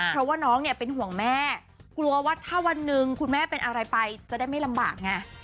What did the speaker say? เพราะว่าน้องเนี่ยเป็นห่วงแม่กลัวว่าถ้าวันหนึ่งคุณแม่เป็นอะไรไปจะได้ไม่ลำบากไง